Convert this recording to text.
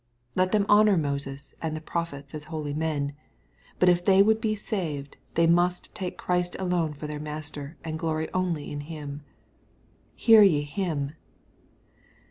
— ^Let them honor Moses and the prophets, as holy men. But if they would be saved, they must take Christ alone for their Master, and glory only in Him. " Hear ye Him."